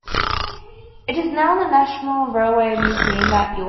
It is now in the National Railway Museum at York.